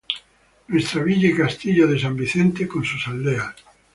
Nuestra villa y castillo de Sant Vicente con sus aldeas.